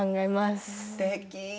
すてき！